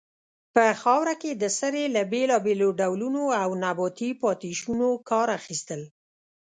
په خاوره کې د سرې له بیلابیلو ډولونو او نباتي پاتې شونو کار اخیستل.